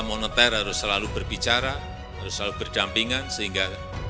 moneter harus selalu berbicara harus selalu berdampingan sehingga